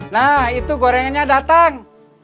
nah itu gorengannya datang